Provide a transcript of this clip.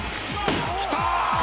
きた！